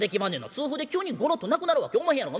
痛風で急にゴロッと亡くなるわけおまへんやろが。